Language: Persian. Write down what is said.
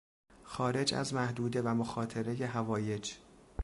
خارج از محدوده و مخاطرهی حوایج